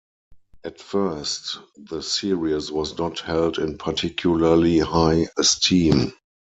At first the series was not held in particularly high esteem.